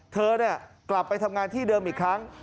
เธอกลับไปทำงานที่เดิมอีกครั้ง